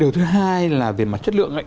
thứ hai là về mặt chất lượng ấy